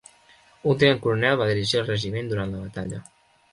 Un tinent coronel va dirigir el regiment durant la batalla.